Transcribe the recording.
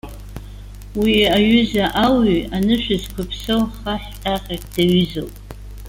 Уи аҩыза ауаҩы анышә зқәыԥсоу хаҳә ҟьаҟьак даҩызоуп.